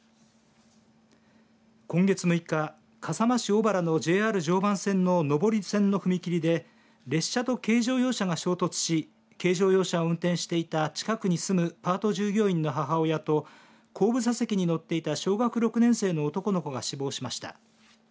今月６日笠間市小原のＪＲ常磐線の上り線の踏切で列車と軽乗用車が衝突し軽乗用車を運転していた近くに住むパート従業員の母親と後部座席に乗っていた小学６年生の男の子が死亡しました。